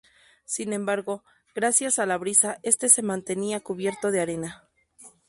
Sin embargo, gracias a la brisa este se mantenía cubierto de arena.